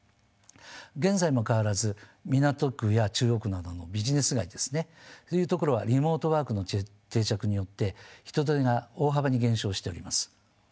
現在も変わらず港区や中央区などのビジネス街ですねという所はリモートワークの定着によって人出が大幅に減少しております。